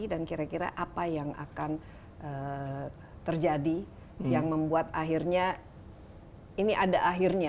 dan kira kira apa yang akan terjadi yang membuat akhirnya ini ada akhirnya